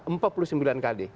empat puluh sembilan kali